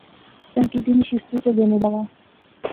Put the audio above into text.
تنقیدی نشست وچ او گینے لاغا